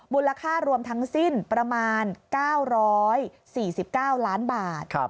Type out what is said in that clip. มูลค่ารวมทั้งสิ้นประมาณ๙๔๙ล้านบาท